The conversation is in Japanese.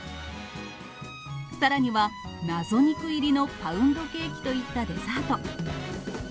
さらには謎肉入りのパウンドケーキといったデザート。